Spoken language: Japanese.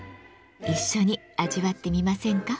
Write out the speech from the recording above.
一緒に味わってみませんか？